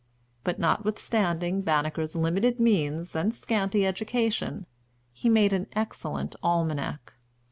But notwithstanding Banneker's limited means and scanty education, he made an excellent Almanac.